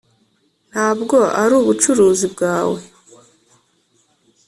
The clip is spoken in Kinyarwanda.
ntabwo ari ubucuruzi bwawe.